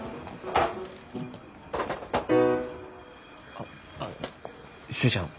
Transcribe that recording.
あっあの寿恵ちゃん